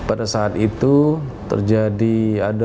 selama enam setiap pagi untuk jadi ibu